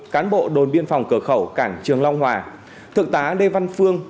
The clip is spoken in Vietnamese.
cán bộ đồn biên phòng cửa khẩu cảng trường long hòa thượng tá lê văn phương